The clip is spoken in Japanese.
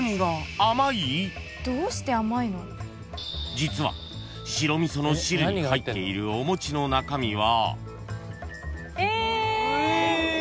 ［実は白味噌の汁に入っているお餅の中身は］